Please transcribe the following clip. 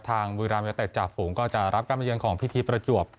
ทางวีรามเยอะเต็ดจากฝูงก็จะรับกรรมเยือนของพี่พีชประจวบ